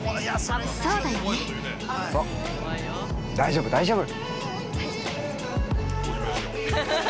そう、大丈夫、大丈夫。